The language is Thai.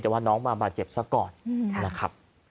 แต่ว่าน้องมาบาดเจ็บซะก่อนนะครับ